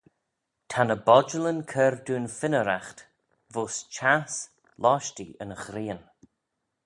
Ta ny bodjalyn cur dooin fynneraght voish chiass loshtee yn ghrian.